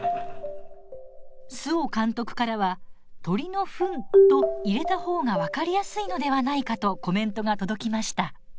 周防監督からは「鳥のふん」と入れた方が分かりやすいのではないかとコメントが届きました。